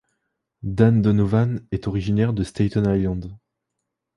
Dan Donovan est originaire de Staten Island.